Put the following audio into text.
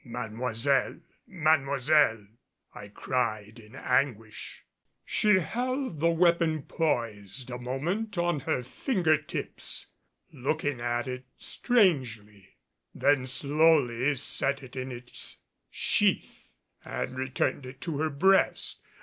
"Mademoiselle! Mademoiselle!" I cried in anguish. She held the weapon poised a moment on her finger tips looking at it strangely, then slowly set it in its sheath and returned it to her breast.